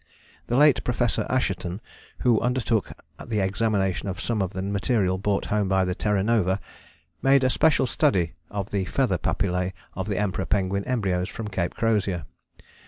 "The late Professor Assheton, who undertook the examination of some of the material brought home by the Terra Nova, made a special study of the feather papillae of the Emperor Penguin embryos from Cape Crozier.